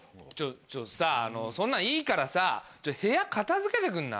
ちょっとさそんなのいいからさ部屋片付けてくんない？